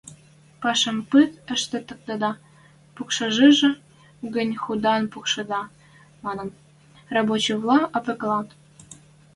– Пӓшӓм пыт ӹштӹктедӓ, пукшашыжы гӹнь худан пукшедӓ, – манын, рабочийвлӓ ӧпкӓлӓт.